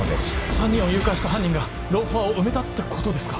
３人を誘拐した犯人がローファーを埋めたってことですか